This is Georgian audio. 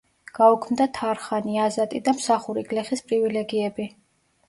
გაუქმდა თარხანი, აზატი და მსახური გლეხის პრივილეგიები.